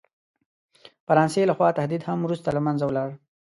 فرانسې له خوا تهدید هم وروسته له منځه ولاړ.